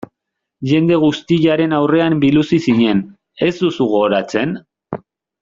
Jende guztiaren aurrean biluzi zinen, ez duzu gogoratzen?